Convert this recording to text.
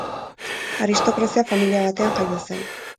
Aristokraziako familia batean jaio zen.